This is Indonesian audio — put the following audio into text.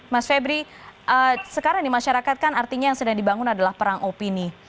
mas febri sekarang di masyarakat kan artinya yang sedang dibangun adalah perang opini